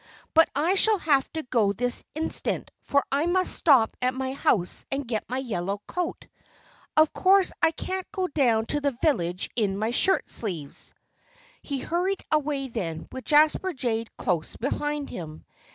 But I shall have to go this instant, for I must stop at my house and get my yellow coat. Of course I can't go down to the village in my shirtsleeves." He hurried away then, with Jasper Jay close behind him.